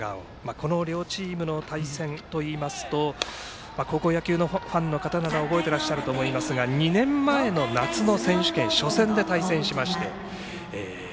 この両チームの対戦といいますと高校野球のファンの方々覚えてらっしゃると思いますが２年前の夏の選手権初戦で対戦しまして。